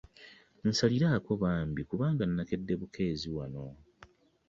Nsaasiraako bambi kubanga nakedde bukeezi wano.